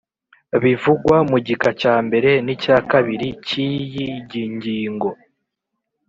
Bivugwa mu gika cya mbere n icya kabiri cy iyi gingingo